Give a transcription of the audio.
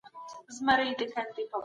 کمپيوټر ډاټا راټولوي.